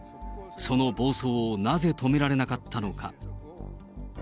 その暴走をなぜ止められなかったのか。